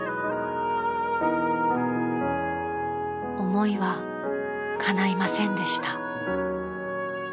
［思いはかないませんでした］